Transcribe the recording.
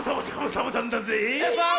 サボさん！